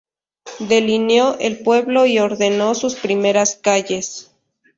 Delineó el pueblo y ordenó sus primeras calles.